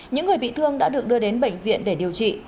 những người bị thương đã được đưa đến bệnh viện để điều trị